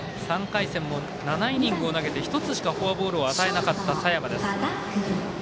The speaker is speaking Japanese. ３回戦も７イニングを投げて１つしかフォアボールを与えなかった佐山です。